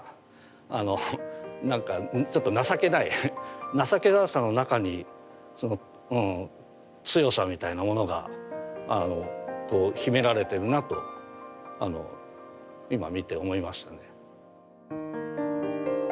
あのなんかちょっと情けない情けなさの中に強さみたいなものがこう秘められてるなと今見て思いましたね。